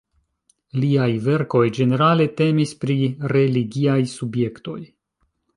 Liaj verkoj ĝenerale temis pri religiaj subjektoj.